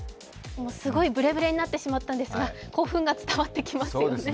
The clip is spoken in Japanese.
すごいぶれぶれになってしまったんですが、興奮が伝わってきますね